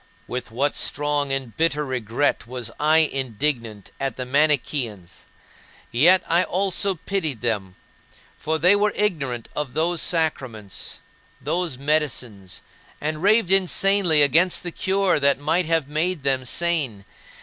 With what strong and bitter regret was I indignant at the Manicheans! Yet I also pitied them; for they were ignorant of those sacraments, those medicines and raved insanely against the cure that might have made them sane!